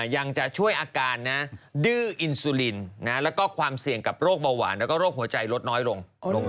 ยังจะช่วยอาการดื้ออินซูลินแล้วก็ความเสี่ยงกับโรคเบาหวานแล้วก็โรคหัวใจลดน้อยลง